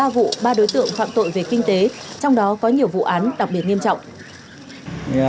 ba vụ ba đối tượng phạm tội về kinh tế trong đó có nhiều vụ án đặc biệt nghiêm trọng